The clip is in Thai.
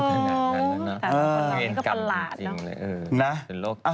เออนี่ก็ประหลาดเนอะทุเรียนกลับจริงเลยเออ